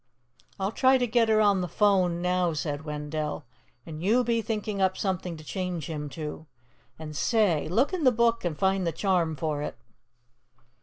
"I'll try to get her on the 'phone, now," said Wendell, "and you be thinking up something to change him to. And say, look in the Book and find the charm for it."